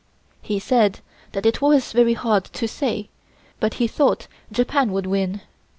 He said that it was very hard to say, but that he thought Japan would win.